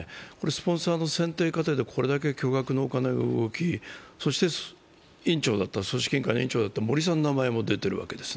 スポンサーの選定過程でこれだけ巨額のお金が動きそして、組織委員会の委員長だった森さんの名前も出ているわけです。